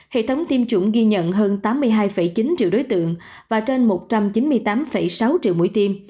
hệ thống tiêm chủng ghi nhận hơn tám mươi hai chín triệu đối tượng và trên một trăm chín mươi tám sáu triệu mũi tiêm